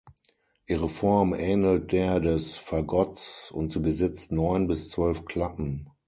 Ihre Form ähnelt der des Fagotts und sie besitzt neun bis zwölf Klappen.